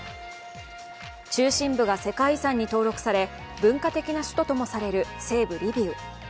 中心部が世界遺産に登録され文化的な首都ともされる西部リビウ。